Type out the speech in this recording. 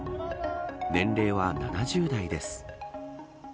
年齢は７０代です。